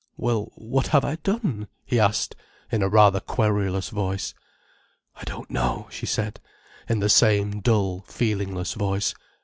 "Well, what have I done?" he asked, in a rather querulous voice. "I don't know," she said, in the same dull, feelingless voice.